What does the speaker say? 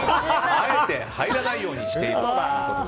あえて入らないようにしていると。